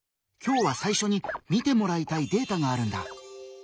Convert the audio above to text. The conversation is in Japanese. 今日は最初に見てもらいたいデータがあるんだ。